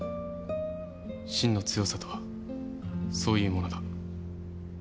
真の強さとはそういうものだ。